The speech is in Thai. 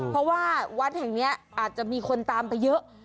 เพราะว่าวัดแห่งนี้อาจจะมีคนตามไปเยอะ